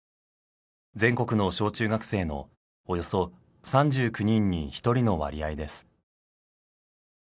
全国の小中学生のおよそ３９人に１人の割合です。